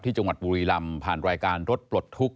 จังหวัดบุรีลำผ่านรายการรถปลดทุกข